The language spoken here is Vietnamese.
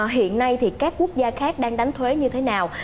hiện nay thì các quốc gia khác đang đánh thuế như thế nào